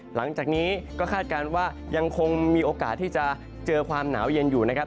หลังจากนี้ก็คาดการณ์ว่ายังคงมีโอกาสที่จะเจอความหนาวเย็นอยู่นะครับ